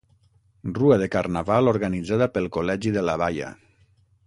Rua de Carnaval organitzada pel col·legi de La Baia.